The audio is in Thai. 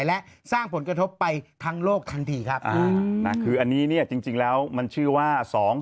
และสร้างผลกระทบไปทั้งโลกทันทีครับคืออันนี้เนี่ยจริงแล้วมันชื่อว่า